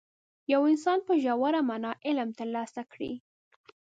یو انسان په ژوره معنا علم ترلاسه کړي.